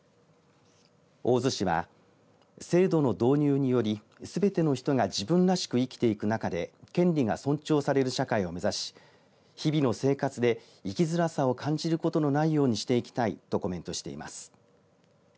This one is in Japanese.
大洲市は制度の導入によりすべての人が自分らしく生きていく中で権利が尊重される社会を目指し日々の生活で生きづらさを感じることのないようにしていきたいとコメントしています。